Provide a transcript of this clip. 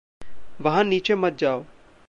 वहाँ नीचे मत जाओ।